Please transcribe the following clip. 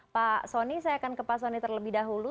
pak soni saya akan ke pak soni terlebih dahulu